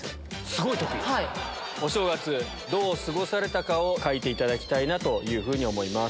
お正月どう過ごされたかを描いていただきたいと思います。